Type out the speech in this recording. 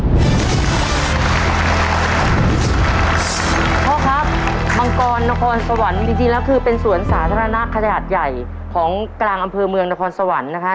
พ่อครับมังกรนครสวรรค์จริงแล้วคือเป็นสวนสาธารณะขนาดใหญ่ของกลางอำเภอเมืองนครสวรรค์นะคะ